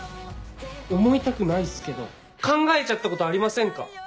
思いたくないっすけど考えちゃったことありませんか？